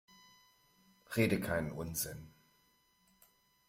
Rede keinen Unsinn!